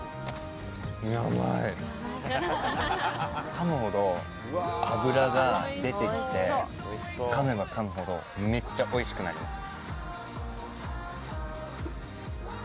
噛むほど脂が出てきて噛めば噛むほどめっちゃおいしくなります。